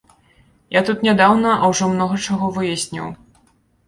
Я тут нядаўна, а ўжо многа чаго выясніў.